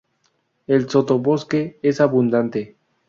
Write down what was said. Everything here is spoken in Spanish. El sotobosque es abundante.